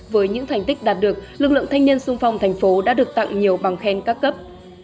với những thành tích đạt được lực lượng thanh niên xuân phong tp hcm đã được tặng nhiều bằng khen các cấp